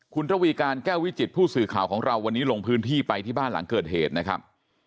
คุณระวีการแก้ววิจิตผู้สื่อข่าวของเราวันนี้ลงพื้นที่ไปที่บ้านหลังเกิดเหตุนะครับ